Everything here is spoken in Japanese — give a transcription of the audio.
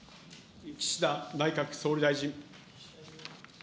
岸田内閣総理大臣。